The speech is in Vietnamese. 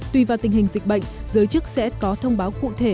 tùy vào tình hình dịch bệnh giới chức sẽ có thông báo cụ thể